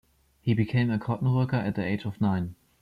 He became a cotton worker at the age of nine.